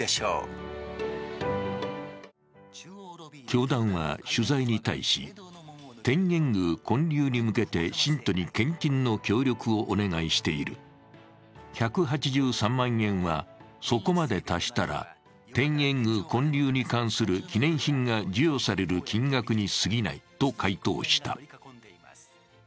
教団は取材に対し、天苑宮建立に向けて信徒に献金の協力をお願いしている、１８３万円は、そこまで達したら天苑宮建立に関する記念品が授与される金額にすぎないと回答した。